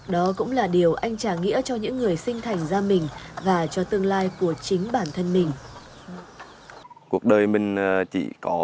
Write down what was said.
đó cũng là điều anh trả nghĩa cho những người sinh thành ra mình và cho tương lai của chính bản thân mình